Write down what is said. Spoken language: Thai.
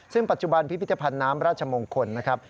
ซึ่งปัจจุบันพิพิธภัณฑ์น้ำราชมงคลนะครับ